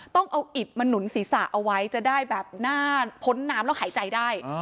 ต้องเอาอิดมาหนุนศีรษะเอาไว้จะได้แบบหน้าพ้นน้ำแล้วหายใจได้